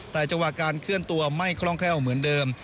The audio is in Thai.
แต่จังหวะการเคลื่อนตัวไม่คล่องแคล่วเหมือนเดิม